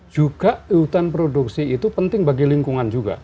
juga hutan produksi itu penting bagi lingkungan juga